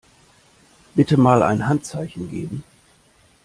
Bitte mal ein Handzeichen geben.